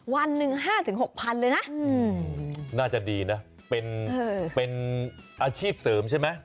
วันหนึ่ง๕๖๐๐เลยนะน่าจะดีนะเป็นอาชีพเสริมใช่ไหม